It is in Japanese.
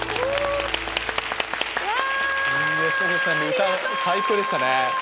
歌最高でしたね。